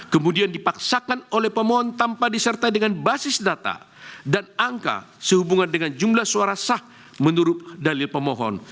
kemudian dipaksakan oleh pemohon tanpa disertai dengan basis data dan angka sehubungan dengan jumlah suara sah menurut dalil pemohon